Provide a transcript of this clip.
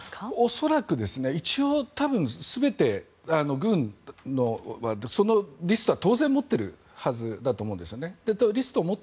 恐らく一応、全て軍のリストは当然、持っているはずだと思うんですよね。